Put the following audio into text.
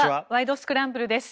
スクランブル」です。